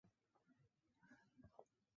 菲利波在三个孩子中排行居中。